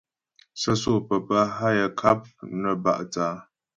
Sə́sô papá hâ yaə ŋkáp nə bá' thə̂ á.